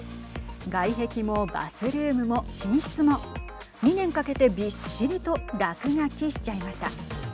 外壁もバスルームも寝室も２年かけて、びっしりと落書きしちゃいました。